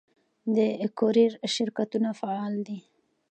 د کوریر شرکتونه فعال دي؟